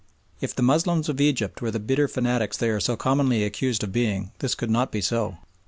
If the Moslems of Egypt were the bitter fanatics they are so commonly accused of being this could not be so.